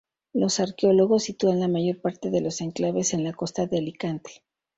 Los arqueólogos sitúan la mayor parte de los enclaves en la costa de Alicante.